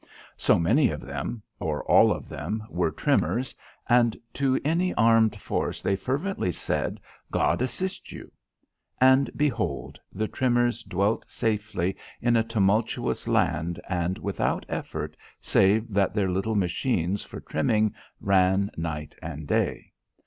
So many of them or all of them were trimmers, and to any armed force they fervently said: "God assist you." And behold, the trimmers dwelt safely in a tumultuous land and without effort save that their little machines for trimming ran night and day.